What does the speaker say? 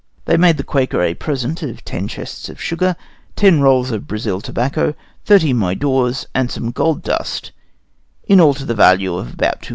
They made the Quaker a present of ten chests of sugar, ten rolls of Brazil tobacco, thirty moidores, and some gold dust, in all to the value of about £250.